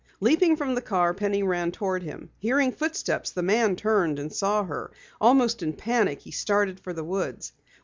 Leaping from the car, Penny ran toward him. Hearing footsteps, the man turned and saw her. Almost in panic he started for the woods.